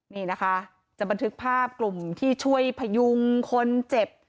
นี่นะคะจะบันทึกภาพกลุ่มที่ช่วยพยุงคนเจ็บ